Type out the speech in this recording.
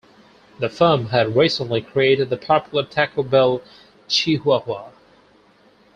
The firm had recently created the popular Taco Bell chihuahua.